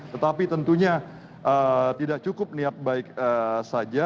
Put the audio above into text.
tetapi tentunya tidak cukup niat baik saja